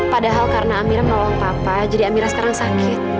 padahal karena amira menolong papa jadi amira sekarang sakit